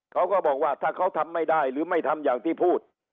เขาก็บอกว่าถ้าเขาทำไม่ได้หรือไม่ทำอย่างที่พูด